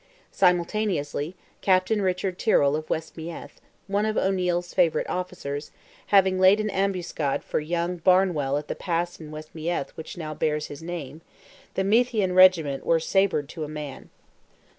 Simultaneously, Captain Richard Tyrrell of West Meath—one of O'Neil's favourite officers—having laid an ambuscade for young Barnewell at the pass in West Meath which now bears his name, the Meathian regiment were sabred to a man.